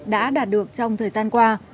đã đạt được trong thời gian qua